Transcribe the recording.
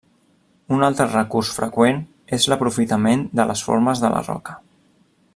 Un altre recurs freqüent és l'aprofitament de les formes de la roca.